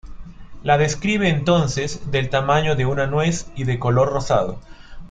La describe entonces del tamaño de una nuez y de color rosado.